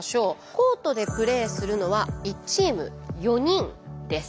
コートでプレーするのは１チーム４人です。